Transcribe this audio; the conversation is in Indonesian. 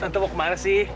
tante mau kemana sih